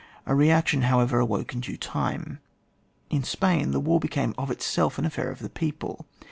A re action, however, awoke in due time. In Spain, the war became of itself an affair of the people.